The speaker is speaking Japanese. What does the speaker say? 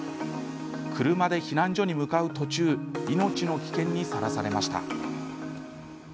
車で避難所に向かう途中命の危険にさらされました。